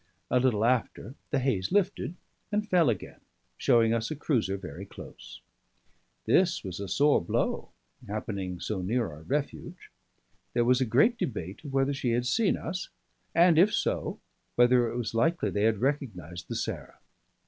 A little after, the haze lifted, and fell again, showing us a cruiser very close. This was a sore blow, happening so near our refuge. There was a great debate of whether she had seen us, and if so whether it was likely they had recognised the Sarah.